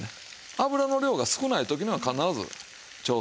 油の量が少ない時には必ず調節してください。